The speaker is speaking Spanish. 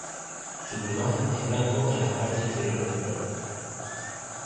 Su plumaje es blanco en las partes inferiores del cuerpo.